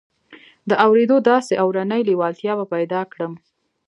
د اورېدو داسې اورنۍ لېوالتیا به پيدا کړم.